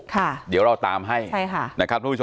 ค่ะจะเราตามให้นะครับทุกคน